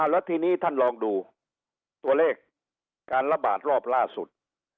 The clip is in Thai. แล้วทีนี้ท่านลองดูตัวเลขการระบาดรอบล่าสุด